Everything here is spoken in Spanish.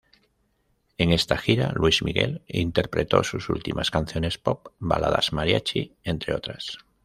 En esta gira Luis Miguel interpretó sus últimas canciones pop, baladas, mariachi, entre otras.